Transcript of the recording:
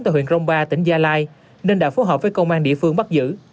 tại huyện rồng ba tỉnh gia lai nên đã phối hợp với công an địa phương bắt giữ